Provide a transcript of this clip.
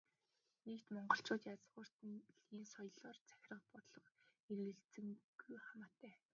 Нэгд, монголчуудыг язгуурын ёсоор захирах бодлого эргэлзээгүй хамаатай.